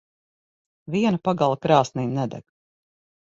Viena pagale krāsnī nedeg.